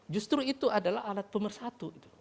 justru itu adalah alat pemersatu